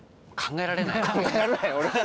考えられない！